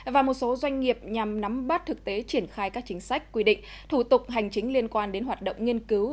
và một số doanh nghiệp nhằm nắm bắt thực tế triển khai các chính sách quy định thủ tục hành chính liên quan đến hoạt động nghiên cứu